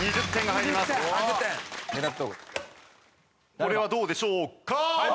これはどうでしょうか？